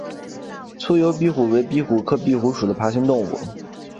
粗疣壁虎为壁虎科壁虎属的爬行动物。